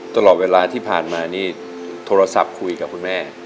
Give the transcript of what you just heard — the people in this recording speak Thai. ตลอดเวลาที่ผ่านมานี่โทรศัพท์คุยกับคุณแม่